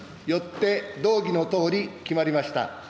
よって、動議のとおり決まりました。